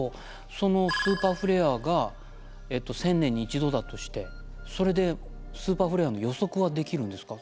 そのスーパーフレアが１，０００年に１度だとしてそれでスーパーフレアの予測はできるんですか？